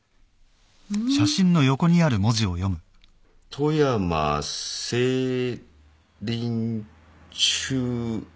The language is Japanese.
「富山聖林中」